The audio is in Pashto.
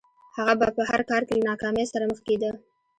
هغه به په هر کار کې له ناکامۍ سره مخ کېده